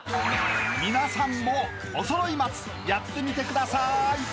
［皆さんもおそろい松やってみてください！］